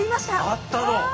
会ったの！